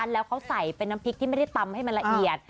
แล้วเขาใส่เป็นน้ำพริกที่ไม่ได้ตำให้มันละเอียด